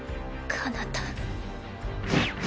かなた。